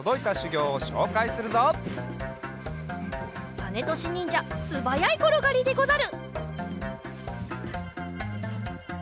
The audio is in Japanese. さねとしにんじゃすばやいころがりでござる！